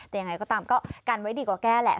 แต่ยังไงก็ตามก็กันไว้ดีกว่าแก้แหละ